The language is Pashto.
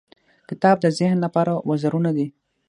• کتاب د ذهن لپاره وزرونه دي.